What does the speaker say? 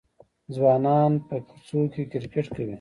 ځوانان په کوڅو کې کرکټ کوي.